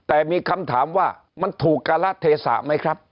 แต่มีคำถามว่ามันถูกการละเทศะไหมครับ